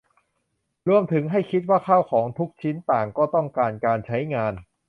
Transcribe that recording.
รวมถึงให้คิดว่าข้าวของทุกชิ้นต่างก็ต้องการการใช้งาน